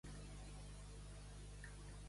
Passar-se-la com un general.